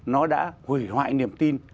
nó đã hủy hoại niềm tin